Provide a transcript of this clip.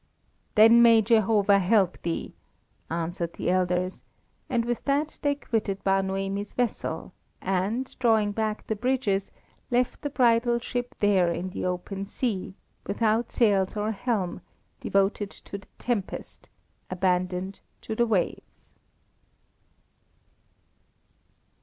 "Then may Jehovah help thee," answered the elders; and with that they quitted Bar Noemi's vessel, and, drawing back the bridges, left the bridal ship there in the open sea, without sails or helm, devoted to the tempest, abandoned to the waves.